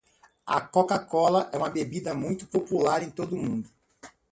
A Coca-Cola é uma bebida muito popular em todo o mundo.